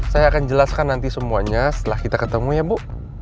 saya akan jelaskan nanti semuanya setelah kita ketemu ya bu